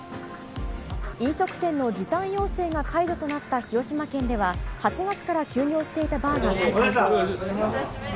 飲食店の時短要請が解除となった広島県では、８月から休業していたバーが再開。